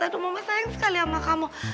aduh mama sayang sekali sama kamu